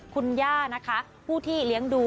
คุณย่านะคะผู้ที่เลี้ยงดู